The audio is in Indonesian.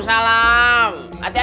terima kasih u ya